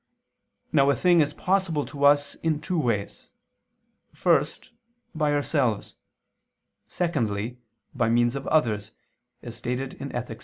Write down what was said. Now a thing is possible to us in two ways: first, by ourselves; secondly, by means of others, as stated in _Ethic.